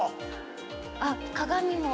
あっ鏡も。